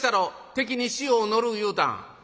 『敵に塩を塗る』いうたん？」。